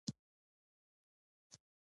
ژبه د یوې ټولنې د وګړو د اړیکو لپاره یوه وسیله ده